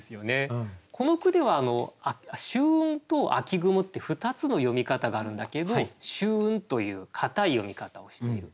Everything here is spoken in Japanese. この句では「しゅううん」と「あきぐも」って２つの読み方があるんだけど「秋雲」という硬い読み方をしている。